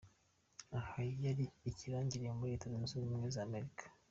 aho yari ikirangirire muri leta Zunze ubumwe za Amerika.